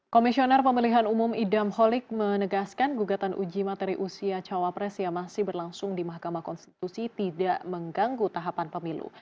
komisioner pemilihan umum idam holik menegaskan gugatan uji materi usia cawapres yang masih berlangsung di mahkamah konstitusi tidak mengganggu tahapan pemilu